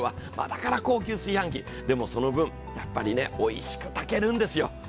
だから高級炊飯器、でもその分、おいしく炊けるんですよ。